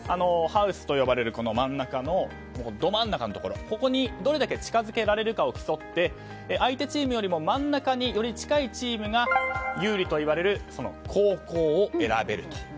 ハウスと呼ばれる真ん中のど真ん中のところここに、どれだけ近づけられるかを競って相手チームよりも真ん中により近いほうが有利といわれる後攻を選べると。